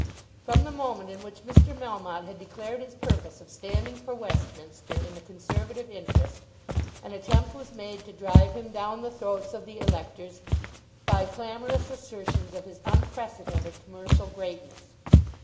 From the moment in which Mr. Melmotte had declared his purpose of standing for Westminster in the Conservative interest, an attempt was made to drive him down the throats of the electors by clamorous assertions of his unprecedented commercial greatness.